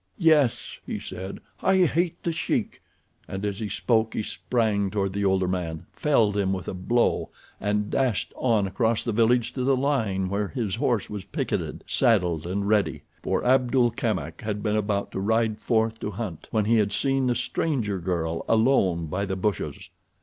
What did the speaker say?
"Yes," he said, "I hate the Sheik," and as he spoke he sprang toward the older man, felled him with a blow and dashed on across the village to the line where his horse was picketed, saddled and ready, for Abdul Kamak had been about to ride forth to hunt when he had seen the stranger girl alone by the bushes.